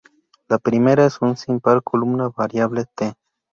La primera es si un par columna-variable"t".